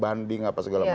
banding apa segala macam